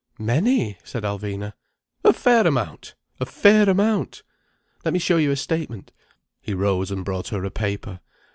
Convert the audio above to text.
"Many!" said Alvina. "A fair amount! A fair amount! Let me show you a statement." He rose and brought her a paper.